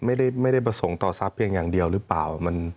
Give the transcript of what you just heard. ไม่ได้ประสงค์ต่อทรัพย์เพียงอย่างเดียวหรือเปล่า